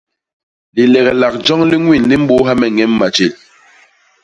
Lileglak joñ li ñwin li mbôôha ñem matjél.